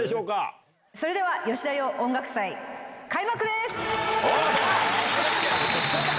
それでは吉田羊音楽祭、開幕です。